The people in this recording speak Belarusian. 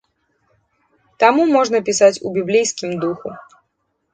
Таму можна пісаць у біблейскім духу.